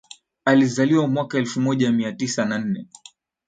Alizaliwa mwaka elfu moja mia tisa na nne